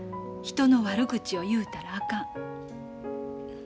人の悪口を言うたらあかん。